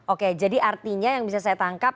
oke jadi artinya yang bisa saya tangkap